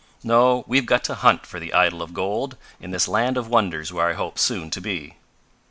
"No, we've got to hunt for the idol of gold in this land of wonders where I hope soon to be.